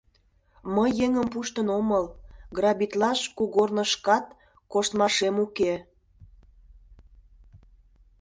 Мый еҥым пуштын омыл, грабитлаш кугорнышкат коштмашем уке.